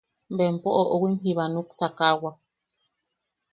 Bempo, oʼowim jiba, nuksakawak.